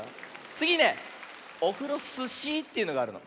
つぎね「オフロスシー」というのがあるの。